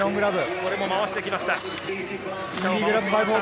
これも回してきました。